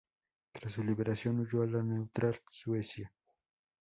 Tras su liberación, huyó a la neutral Suecia.